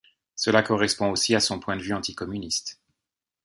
Cela correspond aussi à son point de vue anticommuniste.